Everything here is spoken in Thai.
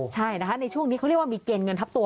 ใช่นะคะในช่วงนี้เขาเรียกว่ามีเกณฑ์เงินทับตัว